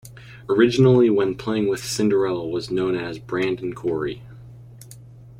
Originally when playing with Cinderella was known as Brandon Coury.